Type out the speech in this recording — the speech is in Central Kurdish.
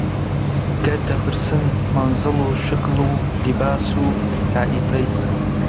گەر دەپرسن مەنزڵ و شکڵ و لیباس و تائیفەی